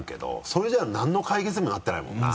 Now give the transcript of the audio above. それじゃあなんの解決にもなってないもんな。